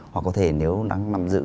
hoặc có thể nếu đang nằm giữ